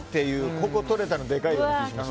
ここ、取れたらでかい気がします。